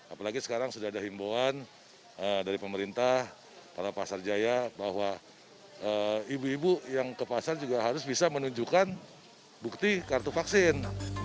apalagi sekarang sudah ada himbauan dari pemerintah para pasar jaya bahwa ibu ibu yang ke pasar juga harus bisa menunjukkan bukti kartu vaksin